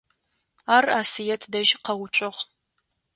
Ар Асыет дэжь къэуцугъ.